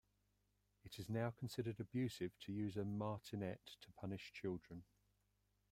It is now considered abusive to use a martinet to punish children.